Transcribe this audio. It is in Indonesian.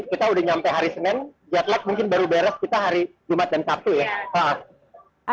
kita udah nyampe hari senin jet lag mungkin baru beres kita hari jumat dan sabtu ya